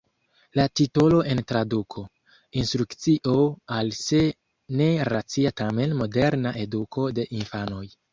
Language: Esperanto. La titolo en traduko: "Instrukcio al se ne racia tamen moderna eduko de infanoj".